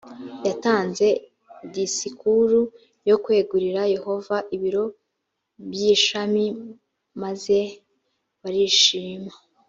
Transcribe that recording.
yatanze disikuru yo kwegurira yehova ibiro by’ishami maze barishima